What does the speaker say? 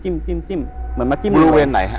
บริเวณไหนครับ